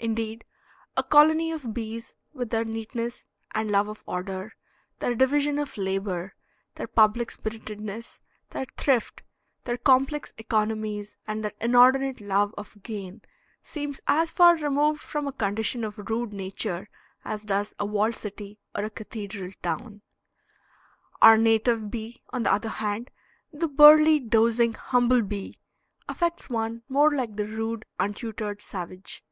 Indeed, a colony of bees, with their neatness and love of order, their division of labor, their public spiritedness, their thrift, their complex economies and their inordinate love of gain, seems as far removed from a condition of rude nature as does a walled city or a cathedral town. Our native bee, on the other hand, "the burly, dozing humble bee," affects one more like the rude, untutored savage.